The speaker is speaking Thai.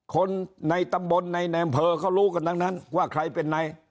คนในตำบลในแนมเภอเขารู้กันทั้งนั้นว่าใครเป็นไหน